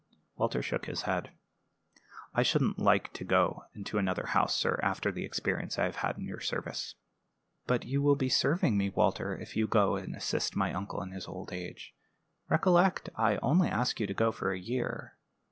Walter shook his head. "I shouldn't like to go into another house, sir, after the experience I have had in your service." "But you will be serving me, Walter, if you go and assist my uncle in his old age. Recollect, I only ask you to go for a year.